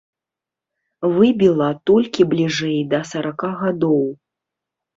Выбіла толькі бліжэй да сарака гадоў.